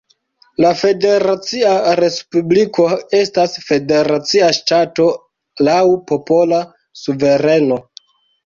La Federacia Respubliko estas federacia ŝtato laŭ popola suvereno.